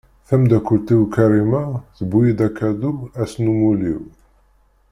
Tamdakkelt-iw Karima tewwi-iyi-d akadu ass n umuli-w.